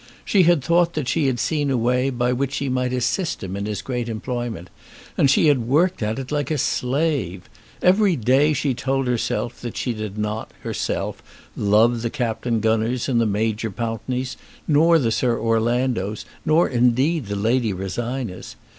She had thought that she had seen a way by which she might assist him in his great employment, and she had worked at it like a slave. Every day she told herself that she did not, herself, love the Captain Gunners and Major Pountneys, nor the Sir Orlandos, nor, indeed, the Lady Rosinas.